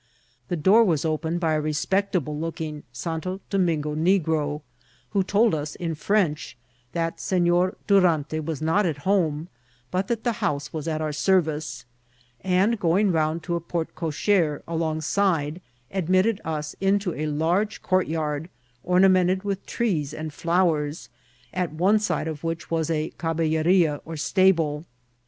The door was opened by a respectable looking St. Domingo negro, who told us, in French, that Senor Durante was not at home, btit that the house was at our service ; and, going round to a parte cochere alongside, admitted us into a large courtyard ornamented with trees and flowers, at one side of which was a cabeUeria or stable.